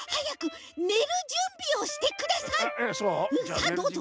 さあどうぞ。